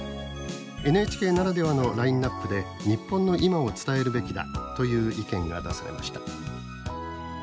ＮＨＫならではのラインナップで日本の今を伝えるべきだ」という意見が出されました。